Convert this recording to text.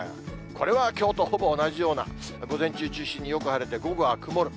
これはきょうとほぼ同じような、午前中中心によく晴れて、午後は曇る。